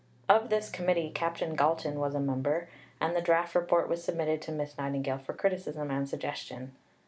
Of this committee Captain Galton was a member, and the Draft Report was submitted to Miss Nightingale for criticism and suggestion.